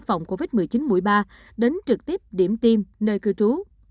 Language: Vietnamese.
phòng covid một mươi chín mũi ba đến trực tiếp điểm tiêm nơi cư trú